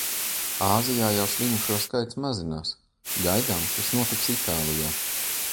Āzijā jau slimušo skaits mazinās; gaidām, kas notiks Itālijā.